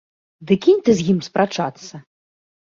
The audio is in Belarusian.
Ды кінь ты з ім спрачацца.